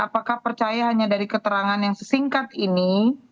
apakah percaya hanya dari keterangan yang sesingkat ini